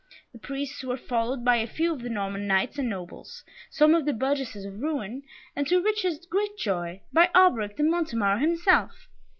The Priests were followed by a few of the Norman Knights and Nobles, some of the burgesses of Rouen, and, to Richard's great joy, by Alberic de Montemar himself.